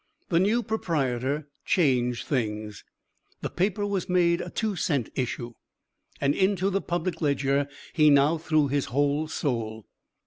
The new proprietor changed things; the paper was made a two cent issue, and into the Public Ledger he now threw his whole soul.